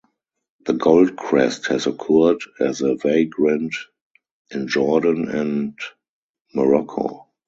The goldcrest has occurred as a vagrant in Jordan and Morocco.